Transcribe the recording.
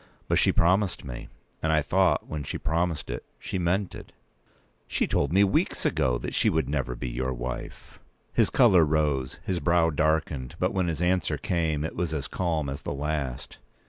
"But she promised me; and I thought, when she promised it, she meant it." "She told me, weeks ago, that she would never be your wife!" His colour rose, his brow darkened; when his answer came, it was as calm as the last.